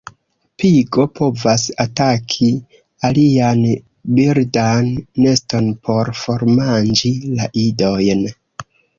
Pigo povas ataki alian birdan neston por formanĝi la idojn.